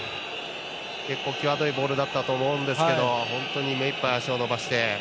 結構、際どいボールだったと思うんですが本当に目いっぱい足を伸ばして。